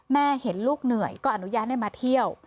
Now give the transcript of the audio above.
แม่เห็นลูกเหนื่อยก็อนุญาตให้มาเที่ยว